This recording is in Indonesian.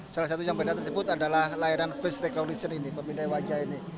salah satu yang berbeda tersebut adalah layanan face recognition ini pemindai wajah ini